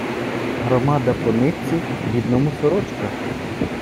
Громада по нитці — бідному сорочка.